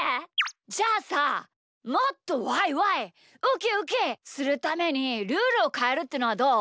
じゃあさもっとワイワイウキウキするためにルールをかえるってのはどう？